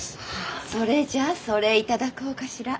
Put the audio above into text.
それじゃあそれ頂こうかしら。